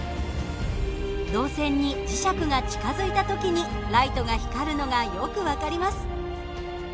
導線に磁石が近づいた時にライトが光るのがよく分かります。